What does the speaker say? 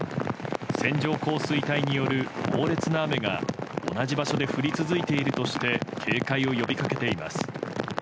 線状降水帯による猛烈な雨が同じ場所で降り続いているとして警戒を呼びかけています。